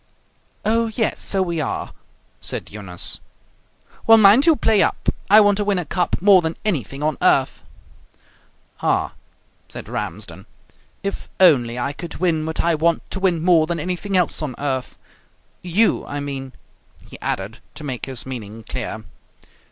"Oh, yes, so we are!" said Eunice. "Well, mind you play up. I want to win a cup more than anything on earth." "Ah!" said Ramsden, "if only I could win what I want to win more than anything else on earth! You, I mean," he added, to make his meaning clear.